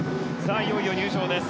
いよいよ入場です。